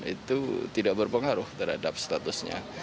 itu tidak berpengaruh terhadap statusnya